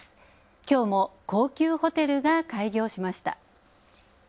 きょうも高級ホテルが開業しました。